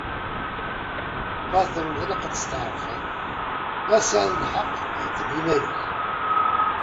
Ma tḍelmeḍ, ilaq ad tsetεerfeḍ. Ma tesεiḍ lḥeqq, hedden iman-ik.